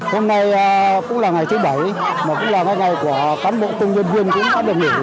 hôm nay cũng là ngày thứ bảy mà cũng là ngày của cán bộ tương nhân viên cũng đã được hiểu